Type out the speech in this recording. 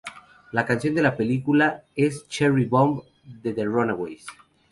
La canción de la película es "Cherry Bomb" de The Runaways.